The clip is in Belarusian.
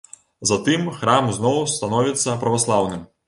Затым храм зноў становіцца праваслаўным.